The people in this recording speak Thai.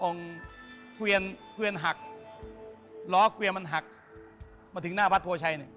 องค์เบิร์นหักล้อเบิร์นมันหักมาถึงหน้าพัฒน์โพชัย